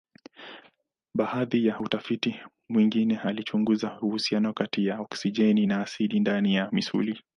Baadhi ya utafiti mwingine alichunguza uhusiano kati ya oksijeni na asidi ndani ya misuli.